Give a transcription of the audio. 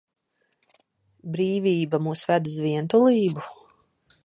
Brīvība mūs ved uz vientulību?